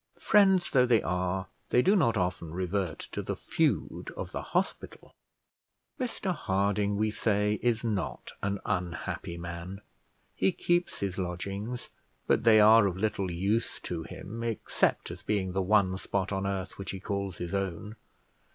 Friends though they are, they do not often revert to the feud of the hospital. Mr Harding, we say, is not an unhappy man: he keeps his lodgings, but they are of little use to him, except as being the one spot on earth which he calls his own.